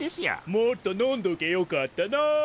もっと飲んどきゃよかったな。